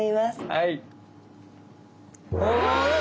はい。